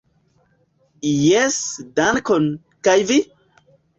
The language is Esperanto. Jes, dankon, kaj vi?